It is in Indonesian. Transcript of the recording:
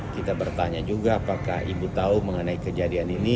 kita bertanya juga apakah ibu tahu mengenai kejadian ini